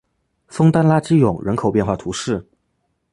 枫丹拉基永人口变化图示